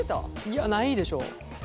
いやないでしょ。